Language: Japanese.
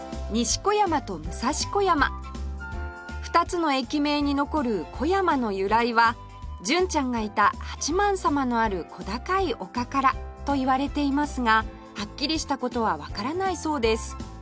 ２つの駅名に残る「小山」の由来は純ちゃんがいた八幡様のある小高い丘からといわれていますがはっきりした事はわからないそうです